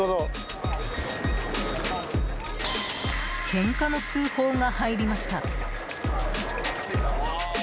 けんかの通報が入りました。